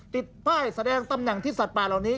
ติดป้ายแสดงตำแหน่งที่สัตว์ป่าเหล่านี้